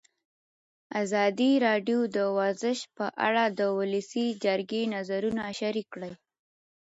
ازادي راډیو د ورزش په اړه د ولسي جرګې نظرونه شریک کړي.